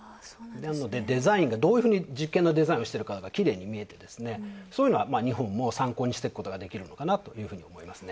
デザインがどういうふうに実験のデザインをしているのかがきれいに見えて、そういうのは日本も参考にしていくことができるのかなというふうに思いますね。